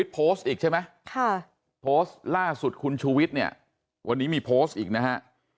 โพสต์อีกใช่ไหมโพสต์ล่าสุดคุณชูวิทย์เนี่ยวันนี้มีโพสต์อีกนะฮะ